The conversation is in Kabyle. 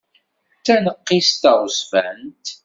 D taneqqist taɣezzfant.